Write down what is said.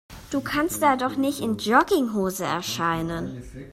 Du kannst da doch nicht in Jogginghose erscheinen.